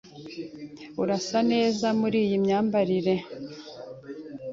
Urasa neza muri iyi myambarire.